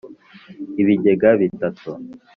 ibigega bitatu,